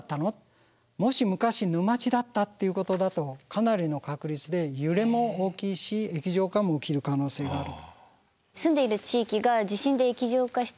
もし昔沼地だったっていうことだとかなりの確率で揺れも大きいし液状化も起きる可能性があると。